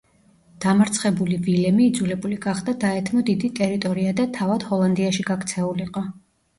დამარცხებული ვილემი იძულებული გახდა დაეთმო დიდი ტერიტორია და თავად ჰოლანდიაში გაქცეულიყო.